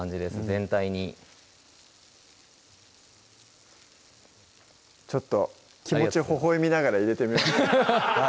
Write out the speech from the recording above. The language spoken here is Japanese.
全体にちょっと気持ちほほえみながら入れてみました